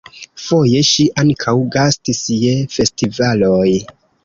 Foje ŝi ankaŭ gastis je festivaloj.